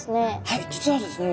はい実はですね